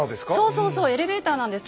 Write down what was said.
そうそうエレベーターなんです。